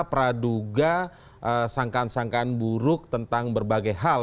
praduga sangkaan sangkaan buruk tentang berbagai hal